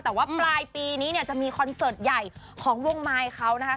แต่ว่าปลายปีนี้เนี่ยจะมีคอนเสิร์ตใหญ่ของวงมายเขานะคะ